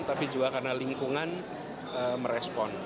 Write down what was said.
tapi juga karena lingkungan merespon